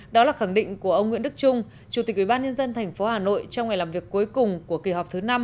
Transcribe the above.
đó là khẳng định của ông nguyễn đức trung chủ tịch ubnd tp hà nội trong ngày làm việc cuối cùng của kỳ họp thứ năm